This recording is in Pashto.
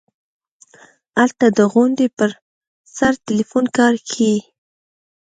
هلته د غونډۍ پر سر ټېلفون کار کيي.